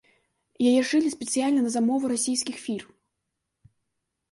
Яе шылі спецыяльна на замову расійскіх фірм.